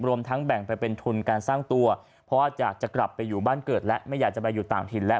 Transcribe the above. รวมทั้งแบ่งไปเป็นทุนการสร้างตัวเพราะว่าอยากจะกลับไปอยู่บ้านเกิดและไม่อยากจะไปอยู่ต่างถิ่นแล้ว